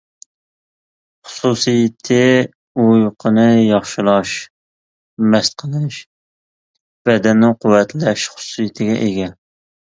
خۇسۇسىيىتى ئۇيقۇنى ياخشىلاش، مەست قىلىش، بەدەننى قۇۋۋەتلەش خۇسۇسىيىتىگە ئىگە.